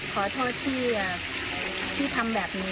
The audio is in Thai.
ขอโทษที่ทำแบบนี้